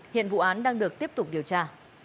hiện vụ án đang được tiếp tục điều tra